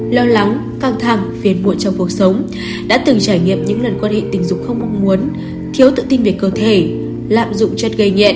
lo lắng căng thẳng phiền muộn trong cuộc sống đã từng trải nghiệm những lần quan hệ tình dục không mong muốn thiếu tự tin về cơ thể lạm dụng chất gây nhẹ